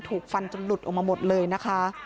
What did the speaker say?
ถูกฟันจนหลุดออกมาหมดเลยนะคะ